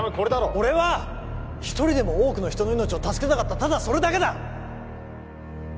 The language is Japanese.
俺は一人でも多くの人の命を助けたかったただそれだけだ